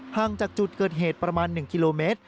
ห่างจากจุดเกิดเหตุประมาณ๑กิโลเมตร